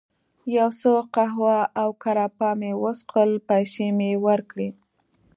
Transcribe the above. یو څه قهوه او ګراپا مې وڅښل، پیسې مې یې ورکړې.